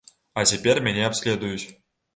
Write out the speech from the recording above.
А цяпер мяне абследуюць.